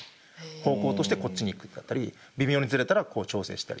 方向としてこっちに行くだったり微妙にずれたらこう調整したりとか。